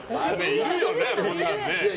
いるよね、こんなん。